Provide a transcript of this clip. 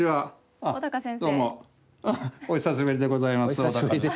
どうもお久しぶりでございます。